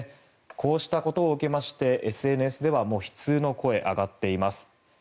こうしたことを受けましてＳＮＳでは悲痛の声が上がっています。